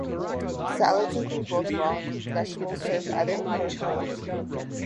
Salads include both raw and cooked vegetables, served either hot or cold.